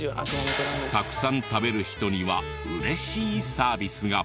たくさん食べる人には嬉しいサービスが。